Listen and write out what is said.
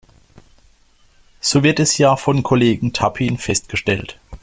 So wird es ja von Kollegen Tappin festgestellt.